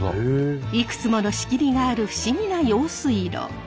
いくつもの仕切りがある不思議な用水路。